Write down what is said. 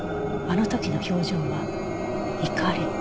あの時の表情は怒り？